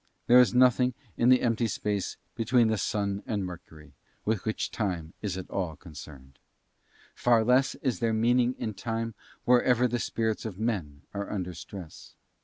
There is nothing in the empty space between the Sun and Mercury with which time is at all concerned. Far less is there meaning in time wherever the spirits of men are under stress.